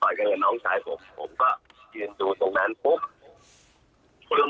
ผมก็ยืนออกไปชะโง่งดูว่ามีอะไรแต่เห็นวันนัดต่อด้วยกับน้องชายผม